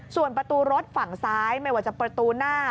ส่วนประตูรถฝั่งซ้ายไม่ว่าจะประตูหน้า